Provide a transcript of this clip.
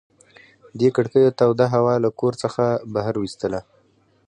دې کړکیو توده هوا له کور څخه بهر ویستله.